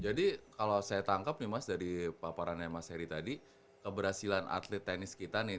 jadi kalau saya tangkap nih mas dari paparan mas heri tadi keberhasilan atlet tenis kita nih